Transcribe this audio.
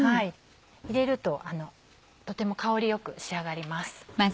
入れるととても香りよく仕上がります。